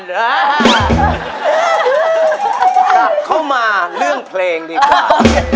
กลับเข้ามาเรื่องเพลงดีกว่า